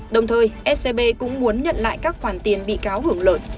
đồng thời scb cũng muốn nhận lại các khoản tiền bị cáo hưởng lợi